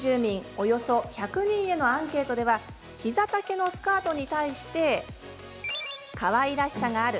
およそ１００人へのアンケートでは膝丈のスカートに対して「かわいらしさがある」